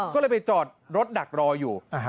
ก็เลยไปจอดรถดักรออยู่